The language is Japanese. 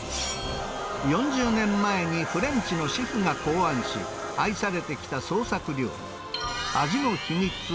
４０年前にフレンチのシェフが考案し、愛されてきた創作料理。